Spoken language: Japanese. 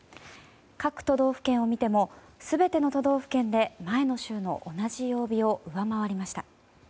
各都道府県を見ても全ての都道府県で前の週の同じ曜日を上回りました。